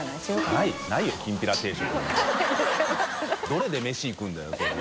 どれで飯いくんだよそれ。